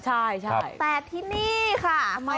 ใช่แต่ที่นี่ค่ะ